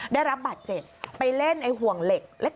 ได้รับบาดเจ็บไปเล่นไอ้ห่วงเหล็กเล็ก